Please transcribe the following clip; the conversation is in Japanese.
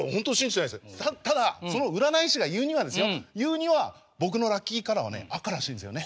ただその占い師が言うにはですよ言うには僕のラッキーカラーはね赤らしいんですよね。